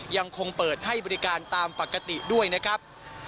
ยังคงเปิดให้บริการตามปกติด้วยนะครับ